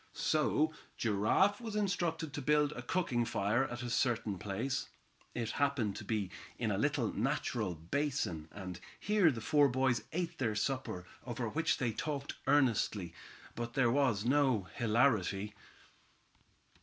So Giraffe was instructed to build a cooking fire at a certain place. It happened to be in a little natural basin, and here the four boys ate their supper, over which they talked earnestly, but there was no hilarity.